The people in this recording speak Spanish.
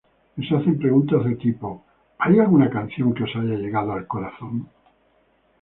Les hacen preguntas del tipo "¿Hay alguna canción que os haya llegado al corazón?